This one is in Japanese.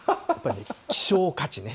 希少価値ね。